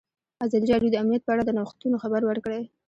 ازادي راډیو د امنیت په اړه د نوښتونو خبر ورکړی.